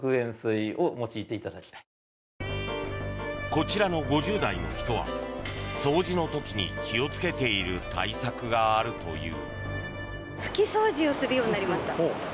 こちらの５０代の人は掃除の時に気を付けている対策があるという。